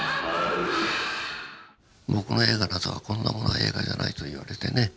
僕の映画なぞはこんなもの映画じゃないと言われてね